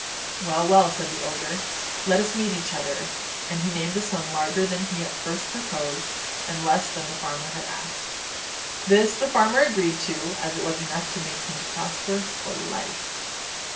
"Well, well," said the Ogre, "let us meet each other." And he named a sum larger than he at first proposed, and less than the farmer had asked. This the farmer agreed to, as it was enough to make him prosperous for life.